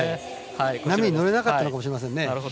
波に乗れなかったのかもしれませんね。